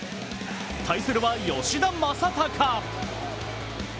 対するは吉田正尚。